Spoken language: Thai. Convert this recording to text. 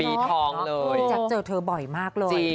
ปีท้องเลยจับเจอเธอบ่อยมากเลย